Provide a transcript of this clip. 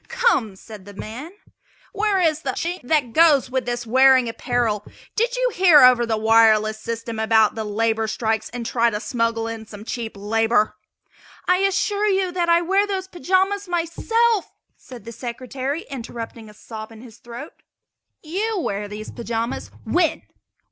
"Come!" said the man, "where is the Chink that goes with this wearing apparel? Did you hear over the wireless system about the labor strikes and try to smuggle in some cheap labor?" "I assure you that I wear those pajamas myself!" said the Secretary, interrupting a sob in his throat. "You wear these pajamas? When?